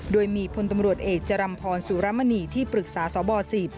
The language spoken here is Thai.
โดยมีพลตำรวจเอกจรัมพรสุรมณีที่ปรึกษาสบ๑๐